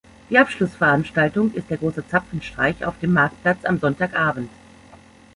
Die Abschlussveranstaltung ist der Große Zapfenstreich auf dem Marktplatz am Sonntagabend.